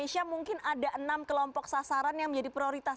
indonesia mungkin ada enam kelompok sasaran yang menjadi prioritas